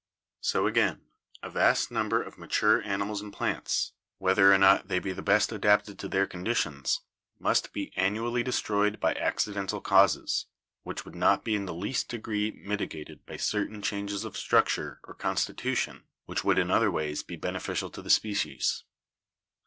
So again, a vast number of mature animals and plants, wheth er or not they be the best adapted to their conditions, must be annually destroyed by accidental causes, which would not be in the least degree mitigated by certain changes of structure or constitution which would in other ways be beneficial to the species.